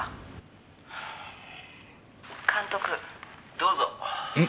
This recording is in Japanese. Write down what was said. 「どうぞ」ん？